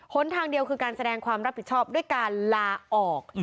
นทางเดียวคือการแสดงความรับผิดชอบด้วยการลาออก